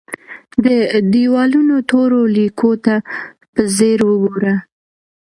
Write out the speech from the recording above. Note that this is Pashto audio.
د دیوالونو تورو لیکو ته په ځیر وګوره.